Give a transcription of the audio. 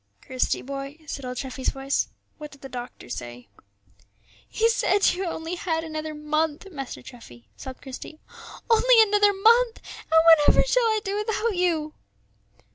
"Christie, boy," said old Treffy's voice; "what did the doctor say?" "He said you had only another month, Master Treffy," sobbed Christie, "only another month; and whatever shall I do without you?"